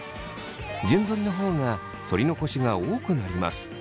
順ぞりの方がそり残しが多くなります。